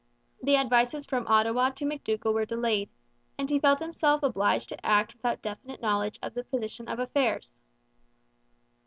The advices from Ottawa to McDougall were delayed, and he felt himself obliged to act without definite knowledge of the position of affairs.